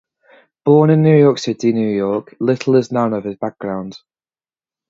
Born in New York City, New York, little is known of his background.